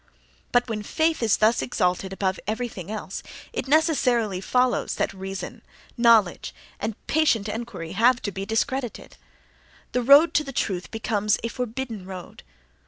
But when faith is thus exalted above everything else, it necessarily follows that reason, knowledge and patient inquiry have to be discredited: the road to the truth becomes a forbidden road.